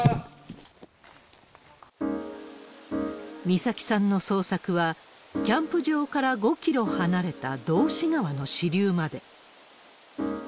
美咲さんの捜索は、キャンプ場から５キロ離れた道志川の支流まで。